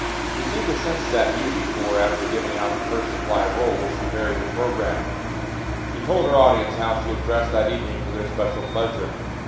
She seemed to sense that beauty, for, after giving out the first supply of rolls, she varied her program. She told her audience how she had dressed that evening for their special pleasure.